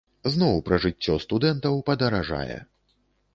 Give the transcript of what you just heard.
Зноў пражыццё студэнтаў падаражае.